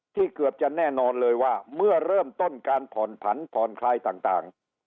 เกือบจะแน่นอนเลยว่าเมื่อเริ่มต้นการผ่อนผันผ่อนคลายต่าง